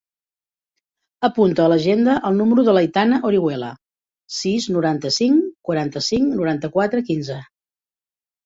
Apunta a l'agenda el número de l'Aitana Orihuela: sis, noranta-cinc, quaranta-cinc, noranta-quatre, quinze.